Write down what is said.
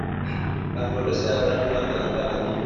Las flores se abren durante las tardes.